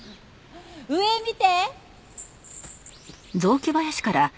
上見て！